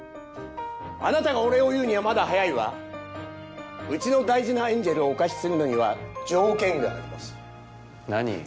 あなたがお礼を言うにはまだ早いわうちの大事なエンジェルをお貸しするのには条件があります何？